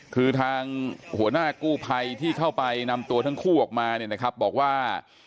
คือทางหัวหน้ากู้ภัยที่เข้าไปนำตัวทั้งคู่ออกมาเนี่ยนะครับบอกว่า